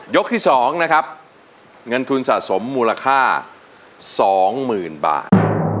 ยกที่สองนะครับเงินทุนสะสมมูลค่า๒หมื่นบาท